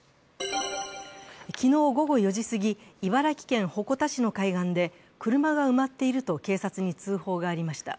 昨日午後４時すぎ、茨城県鉾田市の海岸で車が埋まっていると警察に通報がありました。